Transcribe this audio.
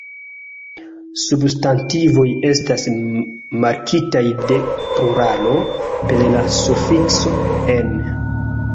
Substantivoj estas markitaj de pluralo per la sufikso "-en".